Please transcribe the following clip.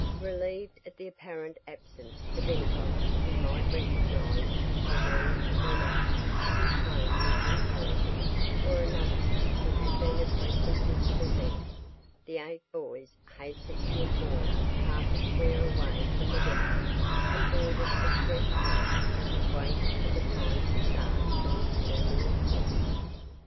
Relieved at the apparent absence of anybody who might recognize the one of their number whose home was in Hollyhill or another who had been a frequent visitor there, the eight boys hastened to a corner half a square away from the depot and boarded a street car that was waiting for the time to start from this terminal point.